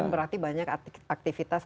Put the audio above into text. berarti banyak aktivitas